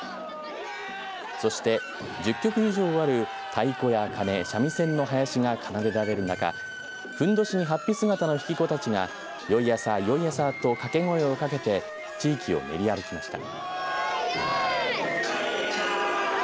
そして１０曲以上ある太鼓や鐘、三味線の囃子が奏でられる中、ふんどしにはっぴ姿の引き子たちがヨイヤサー、ヨイヤサーと掛け声をかけて地域を練り歩きました。